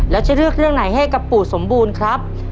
แล้วจะเลือกเรื่องไหนให้กับปู่สมบูรณ์ครับ